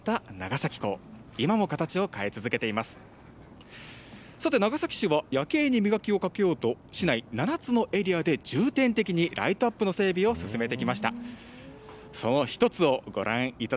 さて、長崎市は夜景に磨きをかけようと、市内７つのエリアで、重点的にライトアップの整備を進めてきました。